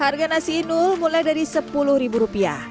harga nasi inul mulai dari sepuluh ribu rupiah